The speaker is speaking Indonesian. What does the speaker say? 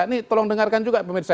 ini tolong dengarkan juga pemirsa